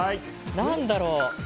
何だろう？